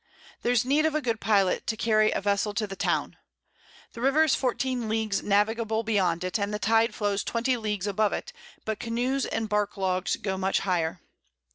There's need of a good Pilot to carry a Vessel to the Town. The River is 14 Leagues navigable beyond it, and the Tide flows 20 Leagues above it, but Canoes and Bark Logs go much higher.